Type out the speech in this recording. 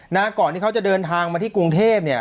ก่อนที่เขาจะเดินทางมาที่กรุงเทพเนี่ย